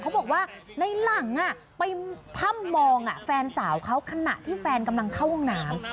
เขาบอกว่าในหลังไปถ้ำมองแฟนสาวเขาขณะที่แฟนกำลังเข้าห้องน้ำ